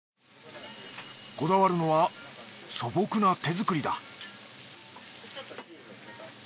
こだわるのは素朴な手作りだ